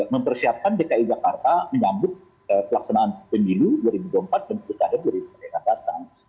mempersiapkan dki jakarta menyambut pelaksanaan pemilu dua ribu dua puluh empat dan bertahun tahun ke depan yang akan datang